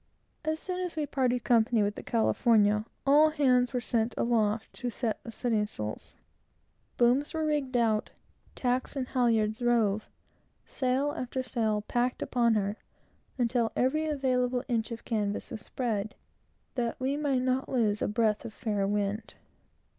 As soon as we parted company with the California, all hands were sent aloft to set the studding sails. Booms were rigged out, tacks and halyards rove, sail after sail packed upon her, until every available inch of canvas was spread, that we might not lose a breath of the fair wind.